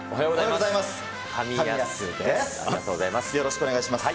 よろしくお願いします。